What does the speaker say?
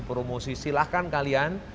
promosi silahkan kalian